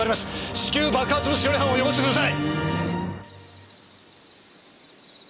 至急爆発物処理班をよこしてください！